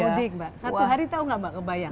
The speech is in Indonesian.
mudik mbak satu hari tahu nggak mbak kebayang